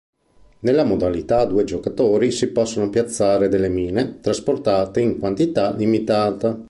Nella modalità a due giocatori si possono piazzare delle mine, trasportate in quantità limitata.